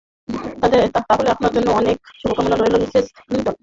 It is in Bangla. তাহলে আপনার জন্য অনেক শুভকামনা রইল মিসেস ক্লিনটফ।